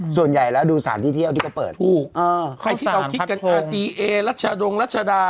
ส่วนใหญ่แล้วดูสถานที่เที่ยวที่เขาเปิดถูกใครที่เราคิดกันอาซีเอรัชดงรัชดา